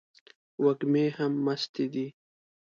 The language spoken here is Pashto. وږمې هم مستې دي